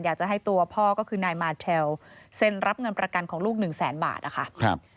อยากจะให้ตัวพ่อก็คือนายมาเทลเซ็นรับเงินประกันของลูกหนึ่งแสนบาทนะคะ